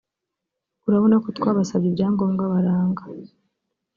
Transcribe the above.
urabona ko twabasabye ibyangombwa baranga